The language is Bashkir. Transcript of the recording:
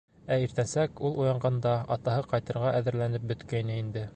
Ә иртәнсәк, ул уянғанда, атаһы ҡайтырға әҙерләнеп бөткәйне инде.